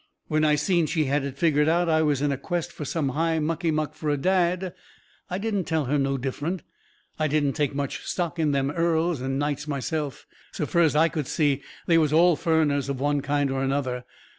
When I seen she had it figgered out I was in a quest fur some high mucky muck fur a dad, I didn't tell her no different. I didn't take much stock in them earls and nights myself. So fur as I could see they was all furriners of one kind or another.